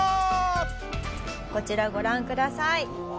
こちらご覧ください。